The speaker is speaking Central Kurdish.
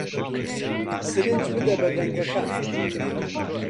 سرنج بدە بە دەنگەکان